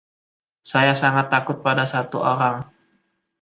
Saya sangat takut pada satu orang.